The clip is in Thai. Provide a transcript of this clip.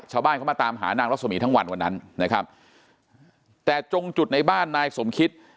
ชาวบ้านเขามาตามหานางรัศมีทั้งวันวันนั้นนะครับแต่จงจุดในบ้านนายสมคิต